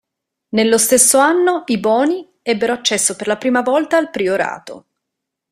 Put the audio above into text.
Nello stesso anno i Boni ebbero accesso per la prima volta al priorato.